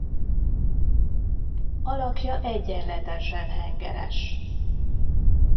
Alakja egyenletesen hengeres.